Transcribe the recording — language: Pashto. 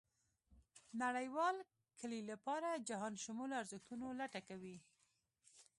نړېوال کلي لپاره جهانشمولو ارزښتونو لټه کوي.